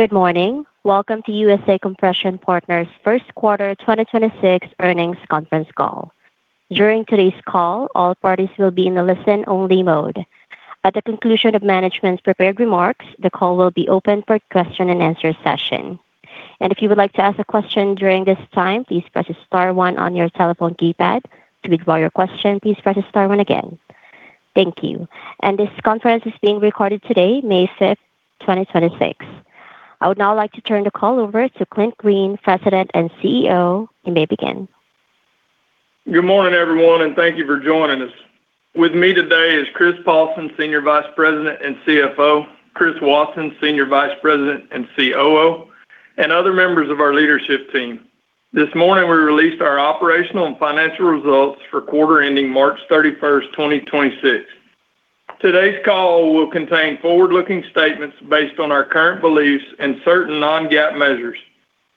Good morning. Welcome to USA Compression Partners first quarter 2026 earnings conference call. During today's call, all parties will be in the listen-only mode. At the conclusion of management's prepared remarks, the call will be open for question-and-answer session. If you would like to ask a question during this time, please press star one on your telephone keypad. To withdraw your question, please press star one again. Thank you. This conference is being recorded today, May 5th, 2026. I would now like to turn the call over to Clint Green, President and CEO. You may begin. Good morning, everyone, and thank you for joining us. With me today is Chris Paulsen, Senior Vice President and CFO, Chris Wauson, Senior Vice President and COO, other members of our leadership team. This morning, we released our operational and financial results for quarter ending March 31st, 2026. Today's call will contain forward-looking statements based on our current beliefs and certain non-GAAP measures.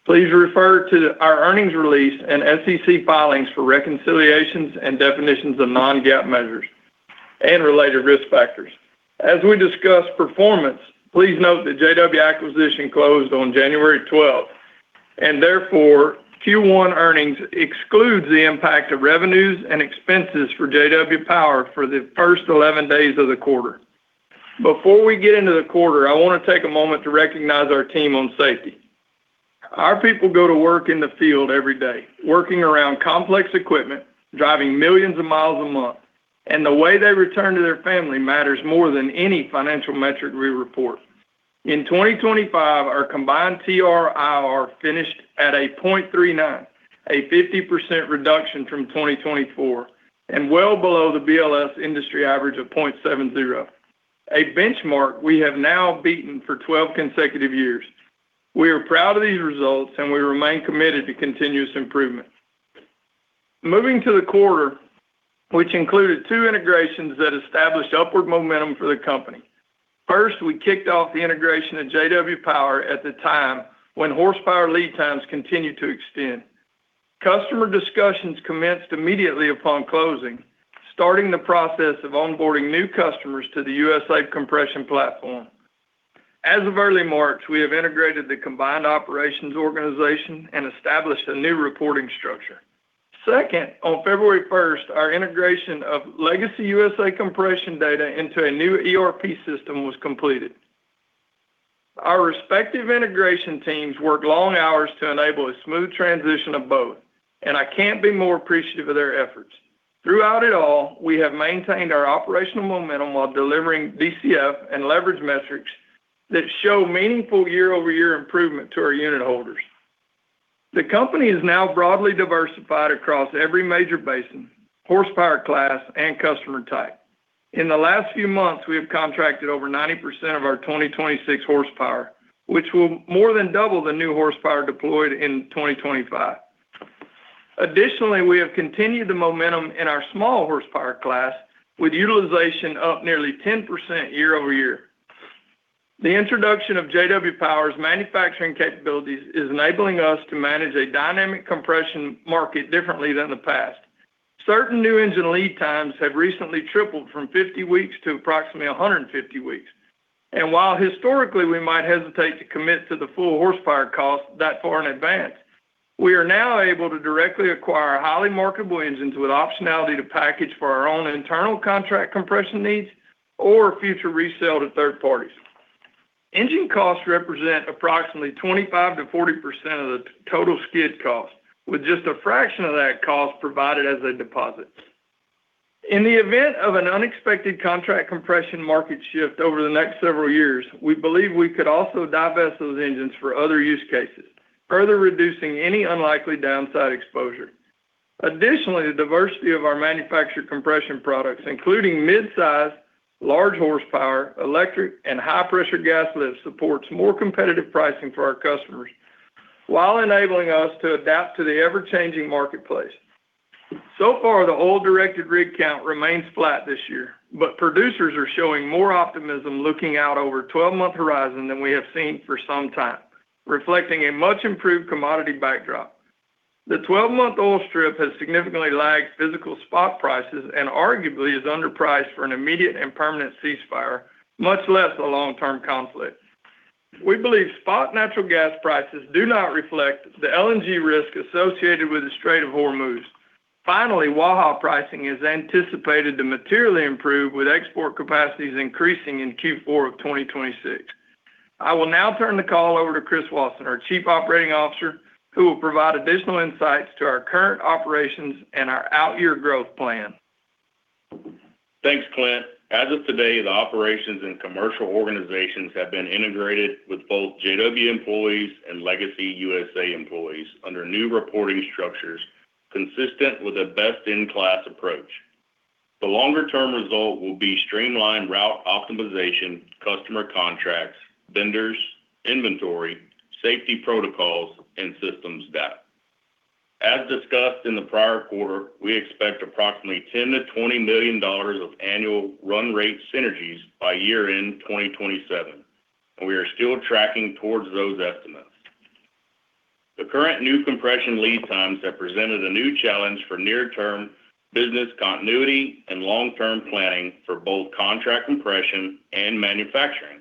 Please refer to our earnings release and SEC filings for reconciliations and definitions of non-GAAP measures and related risk factors. As we discuss performance, please note that J-W acquisition closed on January 12, therefore, Q1 earnings excludes the impact of revenues and expenses for J-W Power for the 11 days of the quarter. Before we get into the quarter, I want to take a moment to recognize our team on safety. Our people go to work in the field every day, working around complex equipment, driving millions of miles a month, and the way they return to their family matters more than any financial metric we report. In 2025, our combined TRIR finished at a 0.39, a 50% reduction from 2024 and well below the BLS industry average of 0.70. A benchmark we have now beaten for 12 consecutive years. We are proud of these results, and we remain committed to continuous improvement. Moving to the quarter, which included two integrations that established upward momentum for the company. First, we kicked off the integration of J-W Power at the time when horsepower lead times continued to extend. Customer discussions commenced immediately upon closing, starting the process of onboarding new customers to the USA Compression platform. As of early March, we have integrated the combined operations organization and established a new reporting structure. Second, on February 1st, our integration of legacy USA Compression data into a new ERP system was completed. Our respective integration teams worked long hours to enable a smooth transition of both, and I can't be more appreciative of their efforts. Throughout it all, we have maintained our operational momentum while delivering DCF and leverage metrics that show meaningful year-over-year improvement to our unit holders. The company is now broadly diversified across every major basin, horsepower class, and customer type. In the last few months, we have contracted over 90% of our 2026 horsepower, which will more than double the new horsepower deployed in 2025. Additionally, we have continued the momentum in our small horsepower class with utilization up nearly 10% year-over-year. The introduction of J-W Power's manufacturing capabilities is enabling us to manage a dynamic compression market differently than the past. Certain new engine lead times have recently tripled from 50 weeks to approximately 150 weeks. While historically we might hesitate to commit to the full horsepower cost that far in advance, we are now able to directly acquire highly marketable engines with optionality to package for our own internal contract compression needs or future resale to third parties. Engine costs represent approximately 25%-40% of the total skid cost, with just a fraction of that cost provided as a deposit. In the event of an unexpected contract compression market shift over the next several years, we believe we could also divest those engines for other use cases, further reducing any unlikely downside exposure. Additionally, the diversity of our manufactured compression products, including midsize, large horsepower, electric, and high-pressure gas lift, supports more competitive pricing for our customers while enabling us to adapt to the ever-changing marketplace. So far, the oil-directed rig count remains flat this year, but producers are showing more optimism looking out over 12-month horizon than we have seen for some time, reflecting a much improved commodity backdrop. The 12-month oil strip has significantly lagged physical spot prices and arguably is underpriced for an immediate and permanent ceasefire, much less a long-term conflict. We believe spot natural gas prices do not reflect the LNG risk associated with the Strait of Hormuz. Waha pricing is anticipated to materially improve with export capacities increasing in Q4 of 2026. I will now turn the call over to Chris Wauson, our Chief Operating Officer, who will provide additional insights to our current operations and our out-year growth plan. Thanks, Clint. As of today, the operations and commercial organizations have been integrated with both J-W employees and legacy USA employees under new reporting structures consistent with a best-in-class approach. The longer-term result will be streamlined route optimization, customer contracts, vendors, inventory, safety protocols, and systems data. As discussed in the prior quarter, we expect approximately $10 million-$20 million of annual run rate synergies by year-end 2027, and we are still tracking towards those estimates. The current new compression lead times have presented a new challenge for near-term business continuity and long-term planning for both contract compression and manufacturing.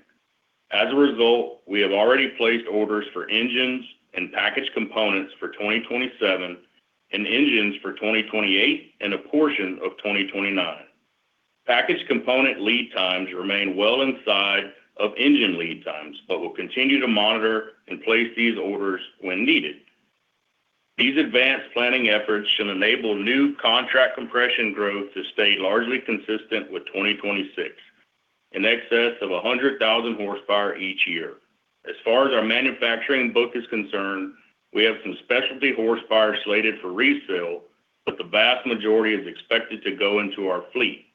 As a result, we have already placed orders for engines and packaged components for 2027 and engines for 2028 and a portion of 2029. Packaged component lead times remain well inside of engine lead times, but we'll continue to monitor and place these orders when needed. These advanced planning efforts should enable new contract compression growth to stay largely consistent with 2026, in excess of 100,000 hp each year. As far as our manufacturing book is concerned, we have some specialty horsepower slated for resale, but the vast majority is expected to go into our fleet.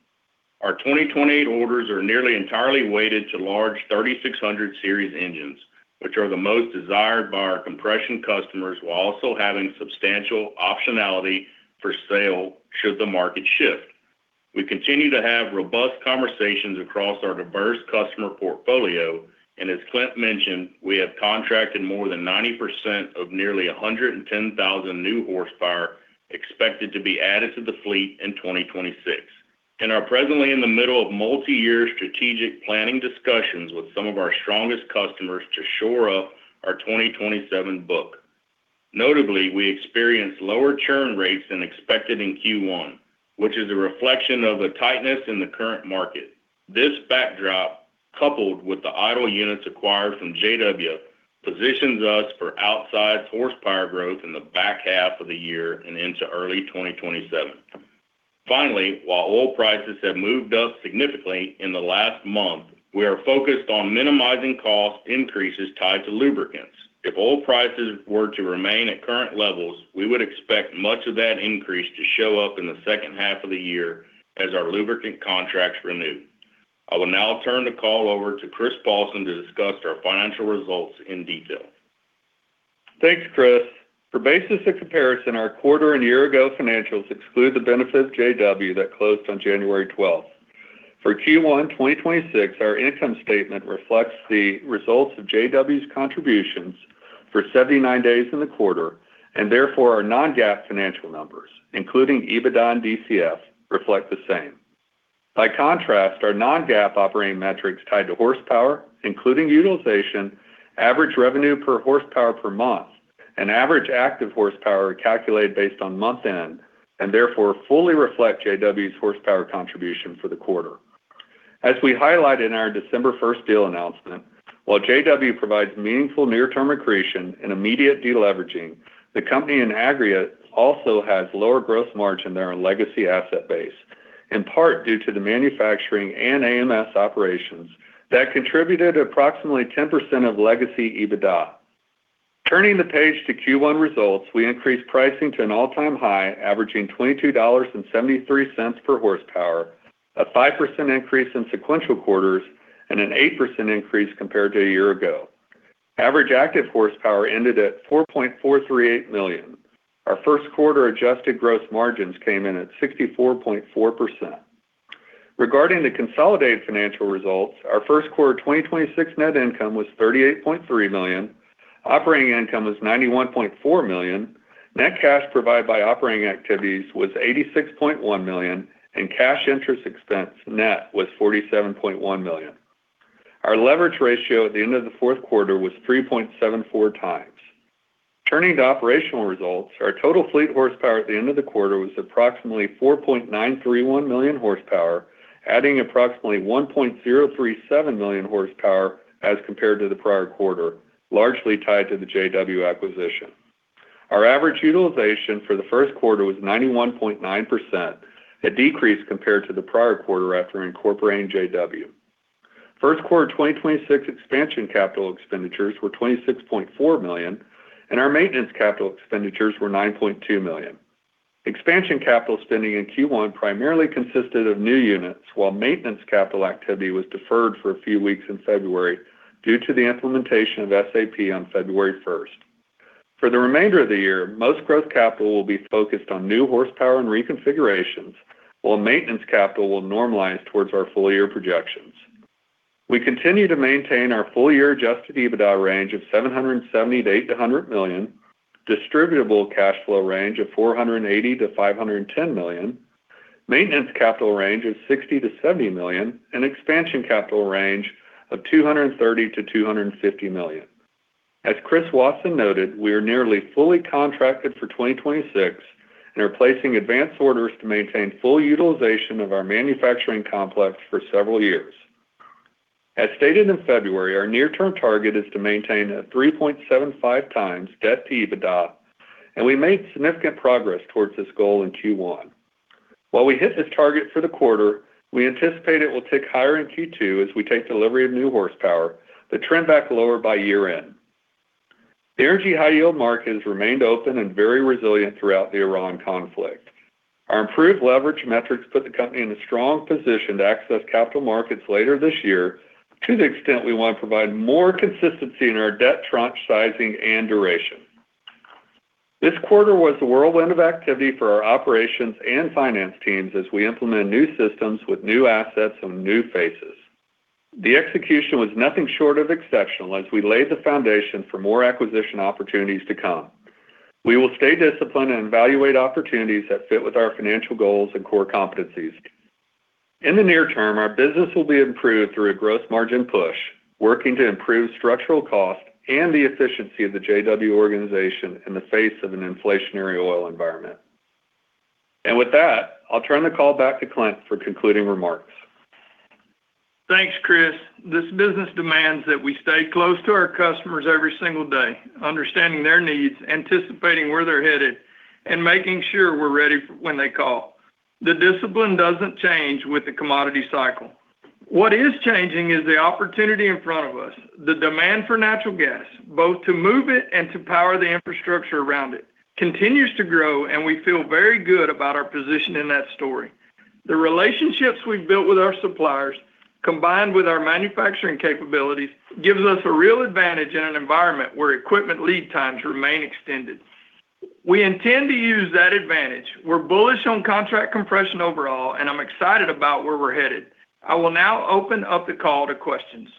Our 2028 orders are nearly entirely weighted to large 3,600 series engines, which are the most desired by our compression customers while also having substantial optionality for sale should the market shift. We continue to have robust conversations across our diverse customer portfolio, and as Clint mentioned, we have contracted more than 90% of nearly 110,000 new horsepower expected to be added to the fleet in 2026, and are presently in the middle of multi-year strategic planning discussions with some of our strongest customers to shore up our 2027 book. Notably, we experienced lower churn rates than expected in Q1, which is a reflection of a tightness in the current market. This backdrop, coupled with the idle units acquired from J-W, positions us for outside horsepower growth in the back half of the year and into early 2027. Finally, while oil prices have moved up significantly in the last month, we are focused on minimizing cost increases tied to lubricants. If oil prices were to remain at current levels, we would expect much of that increase to show up in the second half of the year as our lubricant contracts renew. I will now turn the call over to Chris Paulsen to discuss our financial results in detail. Thanks, Chris. For basis of comparison, our quarter and year-ago financials exclude the benefits of J-W that closed on January 12th. For Q1 2026, our income statement reflects the results of J-W's contributions for 79 days in the quarter, and therefore our non-GAAP financial numbers, including EBITDA and DCF, reflect the same. By contrast, our non-GAAP operating metrics tied to horsepower, including utilization, average revenue per horsepower per month, and average active horsepower are calculated based on month-end, and therefore fully reflect J-W's horsepower contribution for the quarter. As we highlighted in our December 1st deal announcement, while J-W provides meaningful near-term accretion and immediate deleveraging, the company in aggregate also has lower gross margin than our legacy asset base, in part due to the manufacturing and AMS operations that contributed approximately 10% of legacy EBITDA. Turning the page to Q1 results, we increased pricing to an all-time high, averaging $22.73 per horsepower, a 5% increase in sequential quarters and an 8% increase compared to a year ago. Average active horsepower ended at 4.438 million. Our first quarter adjusted gross margins came in at 64.4%. Regarding the consolidated financial results, our first quarter 2026 net income was $38.3 million, operating income was $91.4 million, net cash provided by operating activities was $86.1 million, and cash interest expense net was $47.1 million. Our leverage ratio at the end of the fourth quarter was 3.74x. Turning to operational results, our total fleet horsepower at the end of the quarter was approximately 4.931 million horsepower, adding approximately 1.037 million horsepower as compared to the prior quarter, largely tied to the J-W acquisition. Our average utilization for the first quarter was 91.9%, a decrease compared to the prior quarter after incorporating J-W. First quarter 2026 expansion capital expenditures were $26.4 million, and our maintenance capital expenditures were $9.2 million. Expansion capital spending in Q1 primarily consisted of new units, while maintenance capital activity was deferred for a few weeks in February due to the implementation of SAP on February 1st. For the remainder of the year, most growth capital will be focused on new horsepower and reconfigurations, while maintenance capital will normalize towards our full-year projections. We continue to maintain our full-year adjusted EBITDA range of $778 million-$100 million, distributable cash flow range of $480 million-$510 million, maintenance capital range of $60 million-$70 million, and expansion capital range of $230 million-$250 million. As Chris Wauson noted, we are nearly fully contracted for 2026 and are placing advanced orders to maintain full utilization of our manufacturing complex for several years. As stated in February, our near-term target is to maintain a 3.75x debt to EBITDA, and we made significant progress towards this goal in Q1. While we hit this target for the quarter, we anticipate it will tick higher in Q2 as we take delivery of new horsepower, but trend back lower by year-end. The energy high-yield market has remained open and very resilient throughout the Iran conflict. Our improved leverage metrics put the company in a strong position to access capital markets later this year to the extent we want to provide more consistency in our debt tranche sizing and duration. This quarter was a whirlwind of activity for our operations and finance teams as we implement new systems with new assets and new faces. The execution was nothing short of exceptional as we laid the foundation for more acquisition opportunities to come. We will stay disciplined and evaluate opportunities that fit with our financial goals and core competencies. In the near term, our business will be improved through a gross margin push, working to improve structural cost and the efficiency of the J-W organization in the face of an inflationary oil environment. With that, I'll turn the call back to Clint for concluding remarks. Thanks, Chris. This business demands that we stay close to our customers every single day, understanding their needs, anticipating where they're headed, and making sure we're ready when they call. The discipline doesn't change with the commodity cycle. What is changing is the opportunity in front of us. The demand for natural gas, both to move it and to power the infrastructure around it, continues to grow, and we feel very good about our position in that story. The relationships we've built with our suppliers, combined with our manufacturing capabilities, gives us a real advantage in an environment where equipment lead times remain extended. We intend to use that advantage. We're bullish on contract compression overall, and I'm excited about where we're headed. I will now open up the call to questions.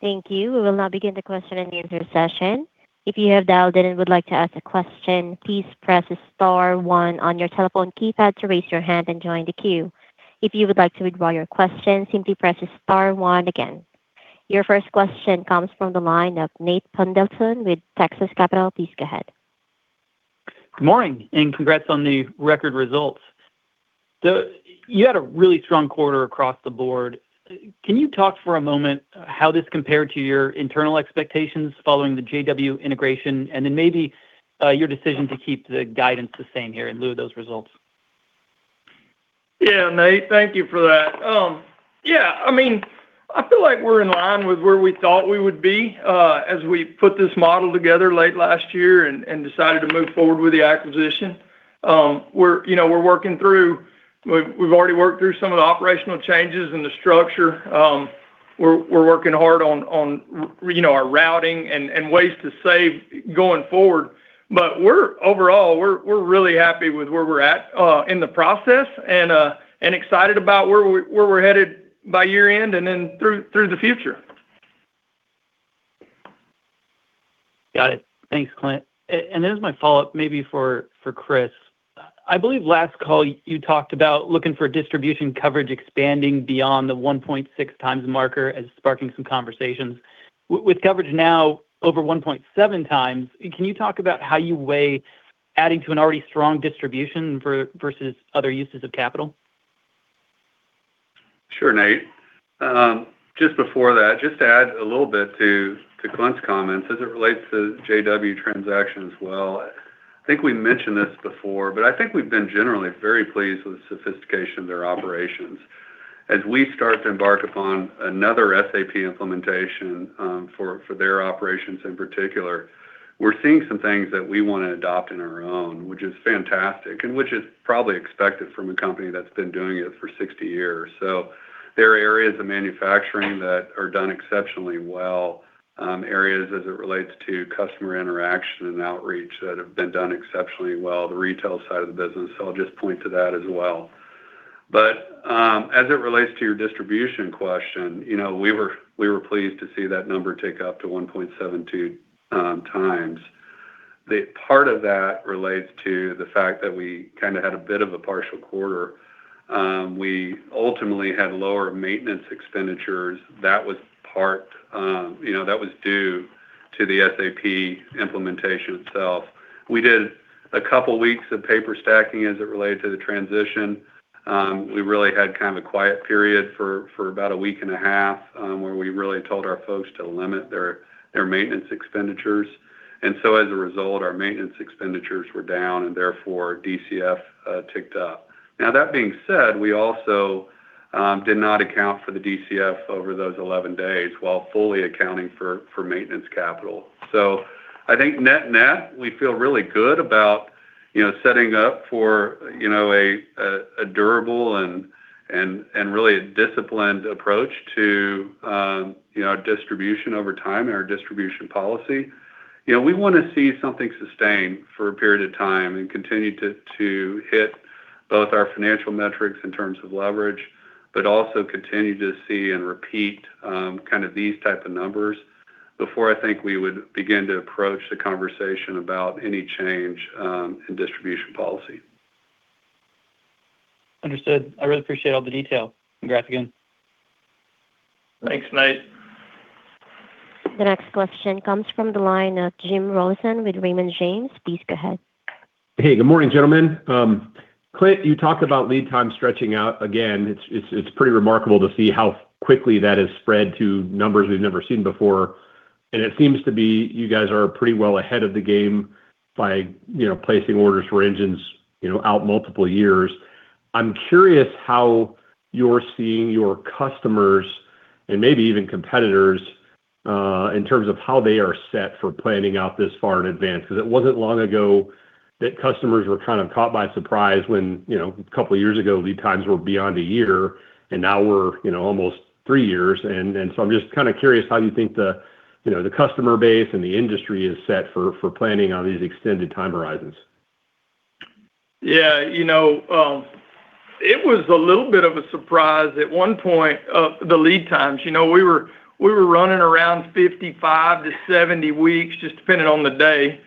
Thank you. We will now begin the question and answer session. If you have dialed in and would like to ask a question, please press star one on your telephone keypad to raise your hand and join the queue. If you would like to withdraw your question, simply press star one again. Your first question comes from the line of Nate Pendleton with Texas Capital. Please go ahead. Good morning, and congrats on the record results. You had a really strong quarter across the board. Can you talk for a moment how this compared to your internal expectations following the J-W integration, then maybe your decision to keep the guidance the same here in lieu of those results? Yeah, Nate. Thank you for that. Yeah, I mean, I feel like we're in line with where we thought we would be as we put this model together late last year and decided to move forward with the acquisition. You know, we've already worked through some of the operational changes in the structure. We're working hard on you know, our routing and ways to save going forward. Overall, we're really happy with where we're at in the process and excited about where we're headed by year-end and then through the future. Got it. Thanks, Clint. This is my follow-up maybe for Chris. I believe last call you talked about looking for distribution coverage expanding beyond the 1.6 times marker as sparking some conversations. With coverage now over 1.7 times, can you talk about how you weigh adding to an already strong distribution versus other uses of capital? Nate, just before that, just to add a little bit to Clint's comments as it relates to J-W transaction as well. I think we mentioned this before, I think we've been generally very pleased with the sophistication of their operations. As we start to embark upon another SAP implementation for their operations in particular, we're seeing some things that we wanna adopt in our own, which is fantastic and which is probably expected from a company that's been doing it for 60 years. There are areas of manufacturing that are done exceptionally well, areas as it relates to customer interaction and outreach that have been done exceptionally well, the retail side of the business. I'll just point to that as well. As it relates to your distribution question, you know, we were pleased to see that number tick up to 1.72x. Part of that relates to the fact that we kind of had a bit of a partial quarter. We ultimately had lower maintenance expenditures. That was part, you know, that was due to the SAP implementation itself. We did two weeks of paper stacking as it related to the transition. We really had kind of a quiet period for about 1.5 weeks where we really told our folks to limit their maintenance expenditures. As a result, our maintenance expenditures were down and therefore DCF ticked up. That being said, we also did not account for the DCF over those 11 days while fully accounting for maintenance capital. I think net-net, we feel really good about, you know, setting up for, you know, a durable and, and really a disciplined approach to, you know, our distribution over time and our distribution policy. You know, we wanna see something sustained for a period of time and continue to hit both our financial metrics in terms of leverage, but also continue to see and repeat kind of these type of numbers before I think we would begin to approach the conversation about any change in distribution policy. Understood. I really appreciate all the detail. Congrats again. Thanks, Nate. The next question comes from the line of Jim Rosen with Raymond James. Please go ahead. Hey, good morning, gentlemen. Clint, you talked about lead time stretching out. It's pretty remarkable to see how quickly that has spread to numbers we've never seen before. It seems to be you guys are pretty well ahead of the game by, you know, placing orders for engines, you know, out multiple years. I'm curious how you're seeing your customers and maybe even competitors in terms of how they are set for planning out this far in advance. It wasn't long ago that customers were kind of caught by surprise when, you know, a couple years ago, lead times were beyond a year, now we're, you know, almost three years. I'm just kinda curious how you think the, you know, the customer base and the industry is set for planning on these extended time horizons. Yeah. You know, it was a little bit of a surprise at one point, the lead times. You know, we were running around 55 to 70 weeks, just depending on the day.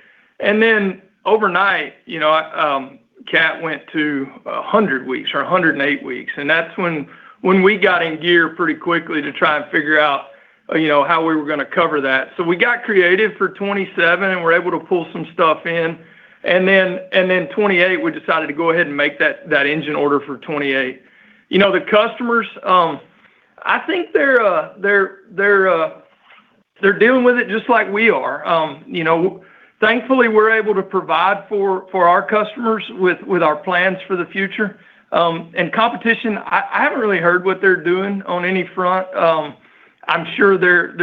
Overnight, you know, Caterpillar went to 100 weeks or 108 weeks, and that's when we got in gear pretty quickly to try and figure out, you know, how we were gonna cover that. We got creative for 27, and we're able to pull some stuff in. 28, we decided to go ahead and make that engine order for 28. You know, the customers, I think they're dealing with it just like we are. You know, thankfully, we're able to provide for our customers with our plans for the future. Competition, I haven't really heard what they're doing on any front. I'm sure they're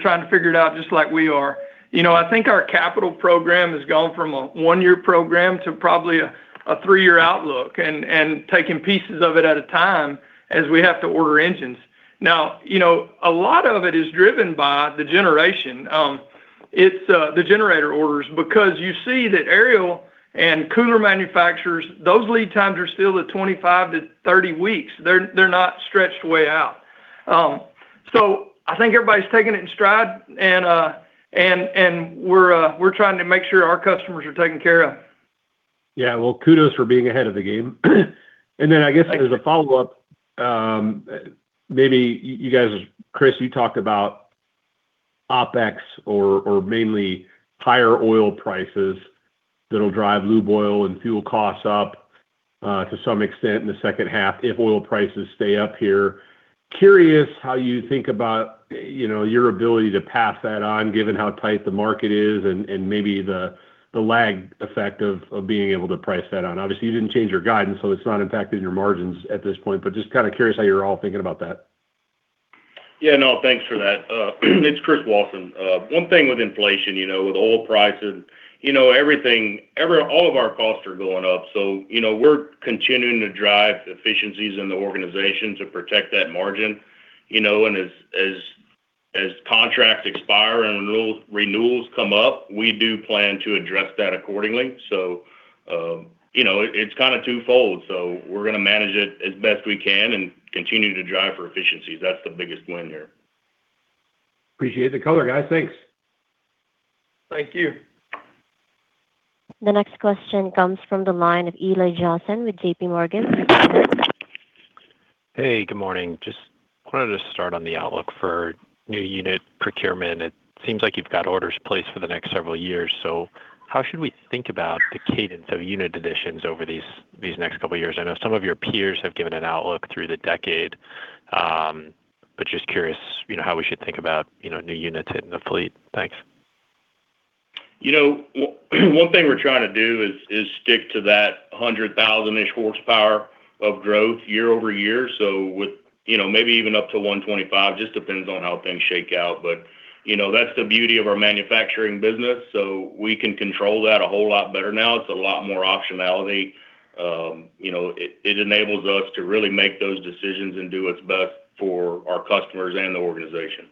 trying to figure it out just like we are. You know, I think our capital program has gone from a one year program to probably a three year outlook and taking pieces of it at a time as we have to order engines. Now, you know, a lot of it is driven by the generation. It's the generator orders because you see that Ariel and cooler manufacturers, those lead times are still at 25 to 30 weeks. They're not stretched way out. I think everybody's taking it in stride, and we're trying to make sure our customers are taken care of. Yeah. Well, kudos for being ahead of the game. Thank you. As a follow-up, maybe you guys, Chris, you talked about OpEx or mainly higher oil prices that'll drive lube oil and fuel costs up to some extent in the second half if oil prices stay up here. Curious how you think about, you know, your ability to pass that on given how tight the market is and maybe the lag effect of being able to price that on. Obviously, you didn't change your guidance, so it's not impacting your margins at this point, but just kind of curious how you're all thinking about that. Yeah. No, thanks for that. It's Chris Wauson. One thing with inflation, you know, with oil prices, you know, everything, all of our costs are going up, so, you know, we're continuing to drive efficiencies in the organization to protect that margin, you know. As contracts expire and renewals come up, we do plan to address that accordingly. You know, it's kind of twofold. We're going to manage it as best we can and continue to drive for efficiencies. That's the biggest win here. Appreciate the color, guys. Thanks. Thank you. The next question comes from the line of Eli Jossen with JPMorgan. Hey, good morning. Just wanted to start on the outlook for new unit procurement. It seems like you've got orders placed for the next several years. How should we think about the cadence of unit additions over these next couple of years? I know some of your peers have given an outlook through the decade, but just curious, you know, how we should think about, you know, new units in the fleet. Thanks. You know, one thing we're trying to do is stick to that 100,000-ish horsepower of growth year-over-year. With, you know, maybe even up to 125, just depends on how things shake out. You know, that's the beauty of our manufacturing business, we can control that a whole lot better now. It's a lot more optionality. You know, it enables us to really make those decisions and do what's best for our customers and the organization.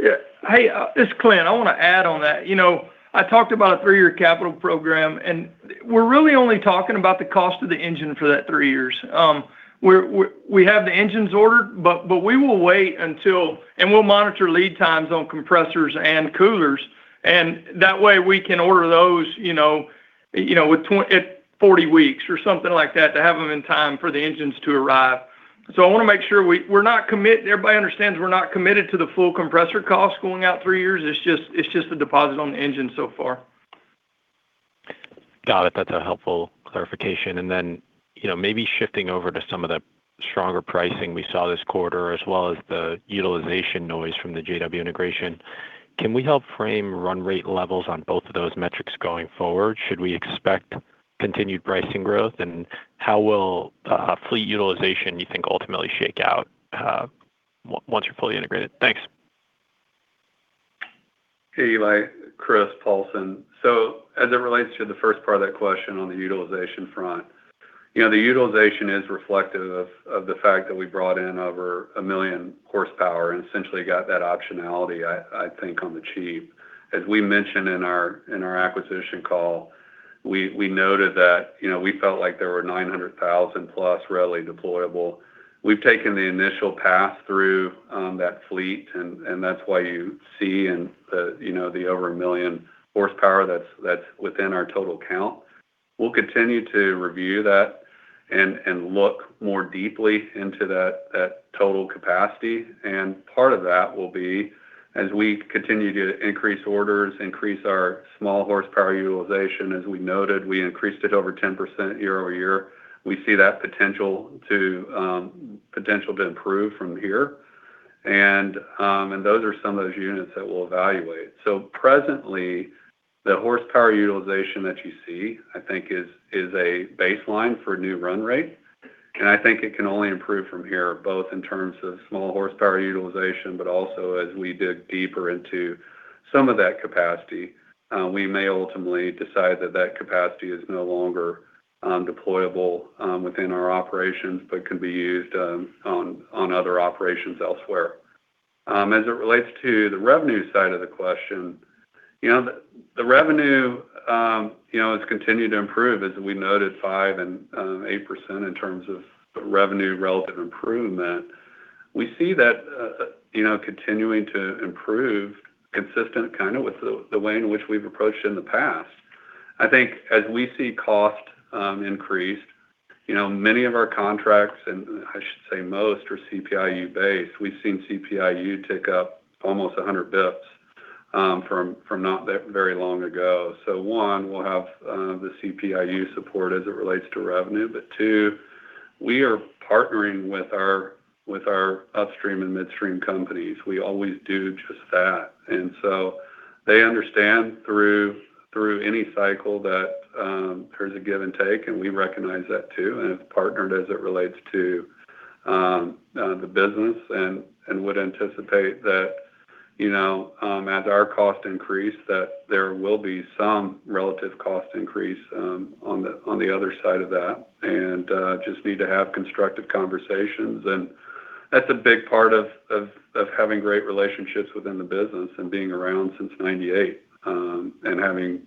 Yeah. Hey, this is Clint. I wanna add on that. You know, I talked about a three year capital program, We're really only talking about the cost of the engine for that three years. We have the engines ordered, but we will wait until We'll monitor lead times on compressors and coolers, and that way we can order those, you know, at 40 weeks or something like that to have them in time for the engines to arrive. I wanna make sure everybody understands we're not committed to the full compressor costs going out three years. It's just a deposit on the engine so far. Got it. That's a helpful clarification. You know, maybe shifting over to some of the stronger pricing we saw this quarter as well as the utilization noise from the J-W integration. Can we help frame run rate levels on both of those metrics going forward? Should we expect continued pricing growth, and how will fleet utilization, you think, ultimately shake out once you're fully integrated? Thanks. Hey, Eli Jossen. Chris Paulsen. As it relates to the first part of that question on the utilization front, you know, the utilization is reflective of the fact that we brought in over 1 million horsepower and essentially got that optionality, I think, on the cheap. As we mentioned in our acquisition call, we noted that, you know, we felt like there were 900,000+ readily deployable. We've taken the initial path through that fleet and that's why you see in the, you know, the over 1 million horsepower that's within our total count. We'll continue to review that and look more deeply into that total capacity, and part of that will be as we continue to increase orders, increase our small horsepower utilization. As we noted, we increased it over 10% year-over-year. We see that potential to improve from here. Those are some of those units that we'll evaluate. Presently, the horsepower utilization that you see, I think, is a baseline for new run rate. I think it can only improve from here, both in terms of small horsepower utilization, but also as we dig deeper into some of that capacity, we may ultimately decide that that capacity is no longer deployable within our operations, but can be used on other operations elsewhere. As it relates to the revenue side of the question, you know, the revenue, you know, has continued to improve, as we noted 5% and 8% in terms of the revenue relative improvement. We see that, you know, continuing to improve consistent kind of with the way in which we've approached in the past. I think as we see cost increase, you know, many of our contracts, and I should say most are CPIU-based. We've seen CPIU tick up almost 100 basis points from not that very long ago. One, we'll have the CPIU support as it relates to revenue. Two, we are partnering with our upstream and midstream companies. We always do just that. They understand through any cycle that there's a give and take, and we recognize that too and have partnered as it relates to the business and would anticipate that, you know, as our cost increase, that there will be some relative cost increase on the other side of that and just need to have constructive conversations. That's a big part of having great relationships within the business and being around since 98 and having,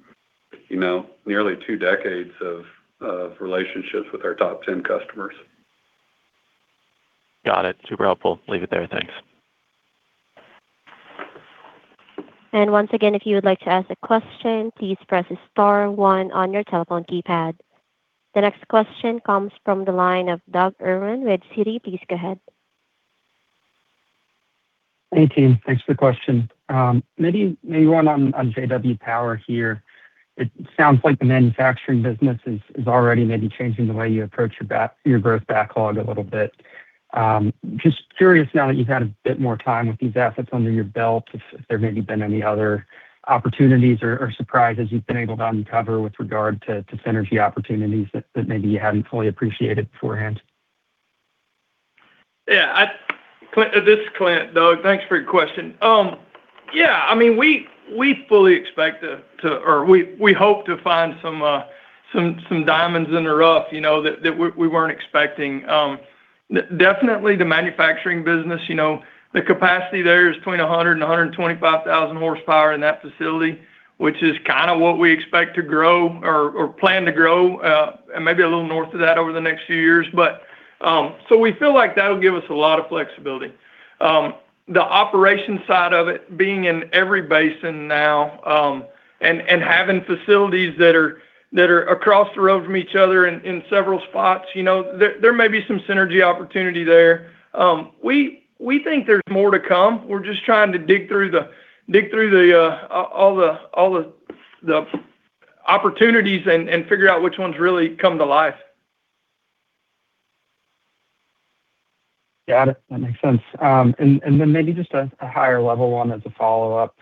you know, nearly two decades of relationships with our top 10 customers. Got it. Super helpful. Leave it there. Thanks. Once again, if you would like to ask a question, please press star one on your telephone keypad. The next question comes from the line of Doug Irwin with Citi. Please go ahead. Hey, team. Thanks for the question. Maybe one on J-W Power here. It sounds like the manufacturing business is already maybe changing the way you approach your growth backlog a little bit. Just curious now that you've had a bit more time with these assets under your belt, if there maybe been any other opportunities or surprises you've been able to uncover with regard to synergy opportunities that maybe you hadn't fully appreciated beforehand? Clint, this is Clint, Doug. Thanks for your question. We fully expect to or we hope to find some diamonds in the rough, you know, that we weren't expecting. Definitely the manufacturing business. You know, the capacity there is between 100 and 125,000 hp in that facility, which is kind of what we expect to grow or plan to grow and maybe a little north of that over the next few years. We feel like that'll give us a lot of flexibility. The operations side of it being in every basin now, and having facilities that are across the road from each other in several spots, you know, there may be some synergy opportunity there. We think there's more to come. We're just trying to dig through the all the opportunities and figure out which ones really come to life. Got it. That makes sense. Then maybe just a higher level one as a follow-up.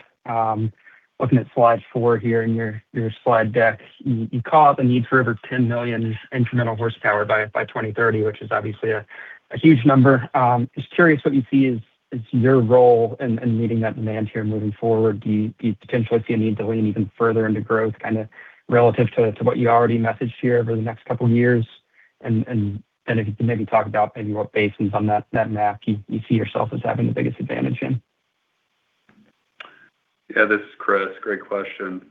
Looking at Slide four here in your slide deck. You call out the need for over 10 million incremental horsepower by 2030, which is obviously a huge number. Just curious what you see as your role in meeting that demand here moving forward. Do you potentially see a need to lean even further into growth, kind of relative to what you already messaged here over the next couple years? If you can maybe talk about what basins on that map you see yourself as having the biggest advantage in. Yeah, this is Chris. Great question.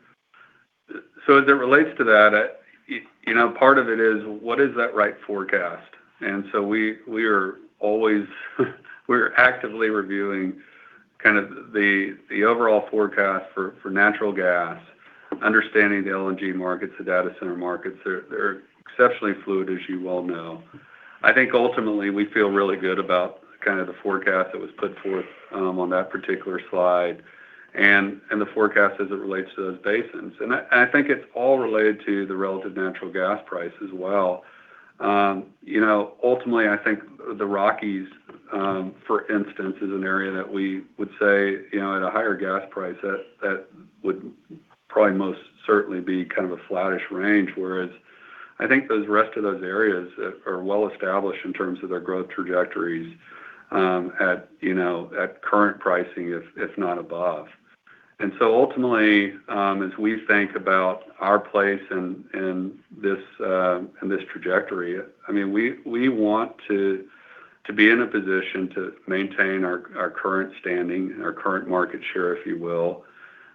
As it relates to that, you know, part of it is what is that right forecast? We're actively reviewing kind of the overall forecast for natural gas, understanding the LNG markets, the data center markets. They're exceptionally fluid, as you well know. I think ultimately we feel really good about kind of the forecast that was put forth on that particular slide and the forecast as it relates to those basins. I think it's all related to the relative natural gas price as well. You know, ultimately, I think the Rockies, for instance, is an area that we would say, at a higher gas price that would probably most certainly be kind of a flattish range, whereas I think those rest of those areas are well established in terms of their growth trajectories, at current pricing, if not above. Ultimately, as we think about our place in this, in this trajectory, I mean, we want to be in a position to maintain our current standing and our current market share, if you will.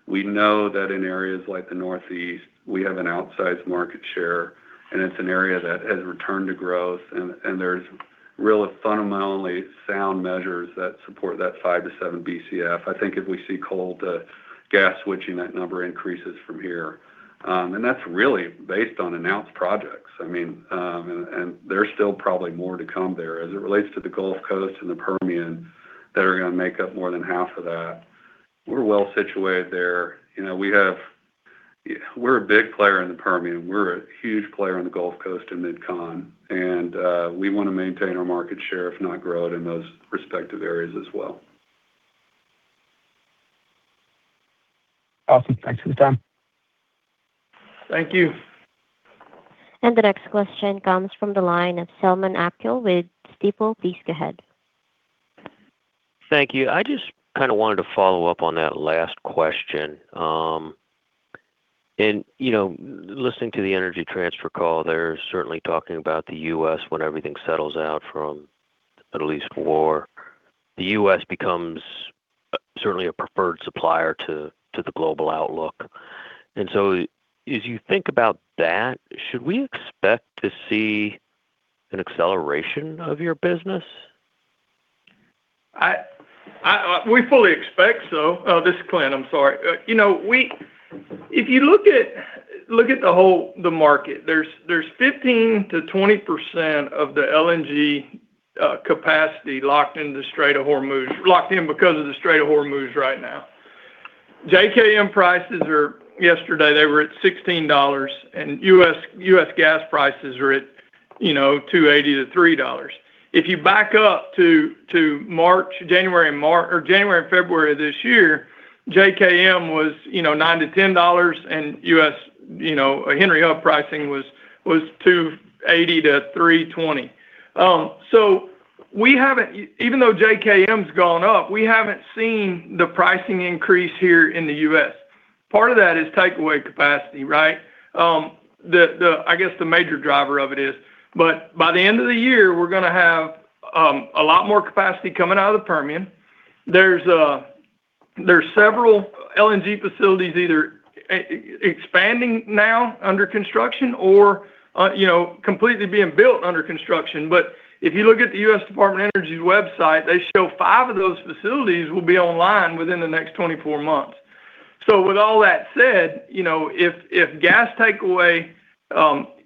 We know that in areas like the Northeast, we have an outsized market share, and it's an area that has returned to growth and there's really fundamentally sound measures that support that 5-7 BCF. I think if we see coal to gas switching, that number increases from here. That's really based on announced projects. I mean, there's still probably more to come there. As it relates to the Gulf Coast and the Permian that are gonna make up more than half of that, we're well situated there. You know, we're a big player in the Permian. We're a huge player on the Gulf Coast and MidCon, and we wanna maintain our market share, if not grow it in those respective areas as well. Awesome. Thanks for the time. Thank you. The next question comes from the line of Selman Akyol with Stifel. Please go ahead. Thank you. I just kind of wanted to follow up on that last question. You know, listening to the Energy Transfer call, they're certainly talking about the U.S. when everything settles out from Middle East war. The U.S. becomes certainly a preferred supplier to the global outlook. As you think about that, should we expect to see an acceleration of your business? We fully expect so. This is Clint. I'm sorry. You know, if you look at the whole market, there's 15%-20% of the LNG capacity locked into the Strait of Hormuz, locked in because of the Strait of Hormuz right now. JKM prices yesterday they were at $16, U.S. gas prices are at, you know, $2.80-$3. If you back up to March, January and February of this year, JKM was, you know, $9-$10, U.S., you know, Henry Hub pricing was $2.80-$3.20. We haven't even though JKM's gone up, we haven't seen the pricing increase here in the U.S. Part of that is takeaway capacity, right? The, the, I guess, the major driver of it is. By the end of the year, we're gonna have a lot more capacity coming out of the Permian. There's, there's several LNG facilities either expanding now under construction or, you know, completely being built under construction. If you look at the U.S. Department of Energy's website, they show five of those facilities will be online within the next 24 months. With all that said, you know, if gas takeaway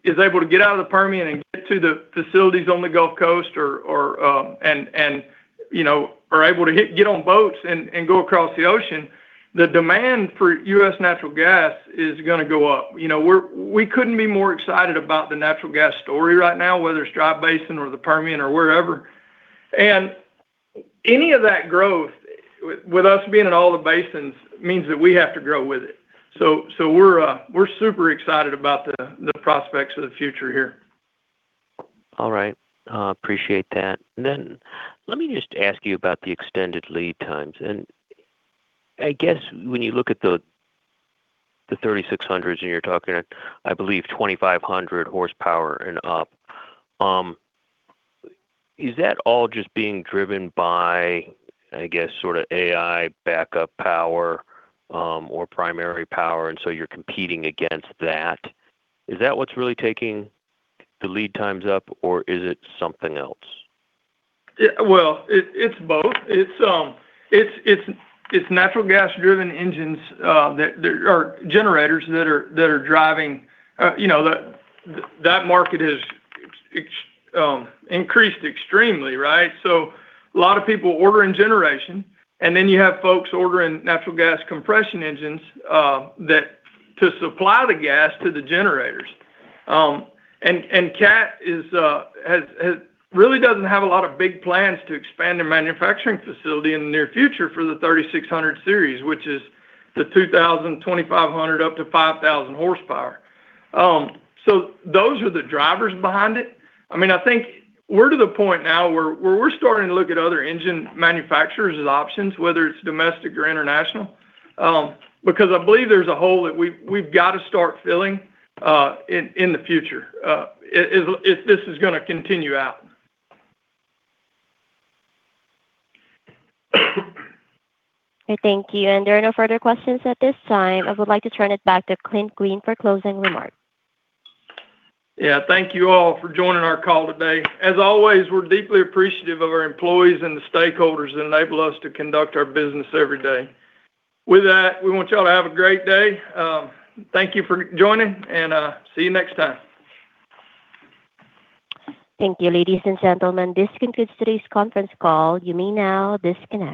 is able to get out of the Permian and get to the facilities on the Gulf Coast or, and, you know, are able to get on boats and go across the ocean, the demand for U.S. natural gas is gonna go up. You know, we couldn't be more excited about the natural gas story right now, whether it's DJ Basin or the Permian or wherever. Any of that growth, with us being in all the basins, means that we have to grow with it. We're super excited about the prospects of the future here. All right. Appreciate that. Let me just ask you about the extended lead times. I guess when you look at the 3600s and you're talking, I believe, 2,500 hp and up, is that all just being driven by, I guess, sort of AI backup power, or primary power, you're competing against that? Is that what's really taking the lead times up, or is it something else? It's both. It's natural gas driven engines or generators that are driving, you know That market has increased extremely, right? A lot of people ordering generation, you have folks ordering natural gas compression engines that to supply the gas to the generators. Cat is really doesn't have a lot of big plans to expand their manufacturing facility in the near future for the 3,600 series, which is the 2,000 hp 2,500 hp up to 5,000 hp. Those are the drivers behind it. I mean, I think we're to the point now where we're starting to look at other engine manufacturers as options, whether it's domestic or international, because I believe there's a hole that we've got to start filling in the future if this is gonna continue out. Thank you. There are no further questions at this time. I would like to turn it back to Clint Green for closing remarks. Yeah. Thank you all for joining our call today. As always, we're deeply appreciative of our employees and the stakeholders that enable us to conduct our business every day. With that, we want y'all to have a great day. Thank you for joining and see you next time. Thank you, ladies and gentlemen. This concludes today's conference call. You may now disconnect.